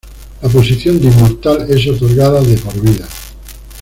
La posición de "Inmortal" es otorgada de por vida.